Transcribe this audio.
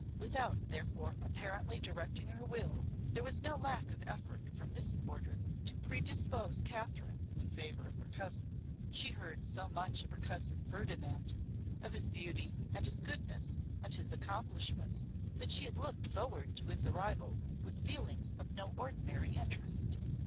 Without, therefore, apparently directing her will, there was no lack of effort from this quarter to predispose Katherine in favour of her cousin. She heard so much of her cousin Ferdinand, of his beauty, and his goodness, and his accomplishments, that she had looked forward to his arrival with feelings of no ordinary interest.